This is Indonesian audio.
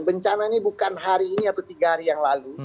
bencana ini bukan hari ini atau tiga hari yang lalu